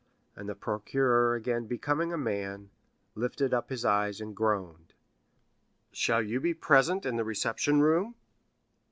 and the procureur again becoming a man, lifted up his eyes and groaned. "Shall you be present in the reception room?"